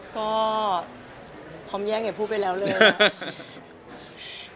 ก็พร้อมแย่งให้พูดไปแล้วเลยนะ